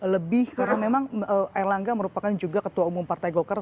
lebih karena memang erlangga merupakan juga ketua umum partai golkar